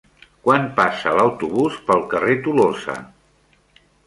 Quan passa l'autobús pel carrer Tolosa?